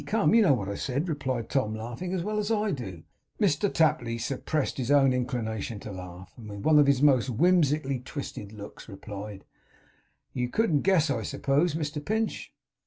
Come! You know what I said,' replied Tom, laughing, 'as well as I do!' Mr Tapley suppressed his own inclination to laugh; and with one of his most whimsically twisted looks, replied: 'You couldn't guess, I suppose, Mr Pinch?